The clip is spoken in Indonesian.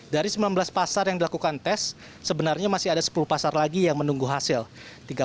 dari sembilan belas pasar yang dilakukan tes sebenarnya masih ada sepuluh pasar lagi yang menunggu hasil